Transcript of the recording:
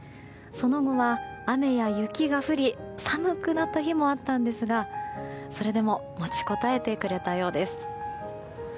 その後は雨や雪が降り寒くなった日もあったんですがそれでも持ちこたえてくれたようです。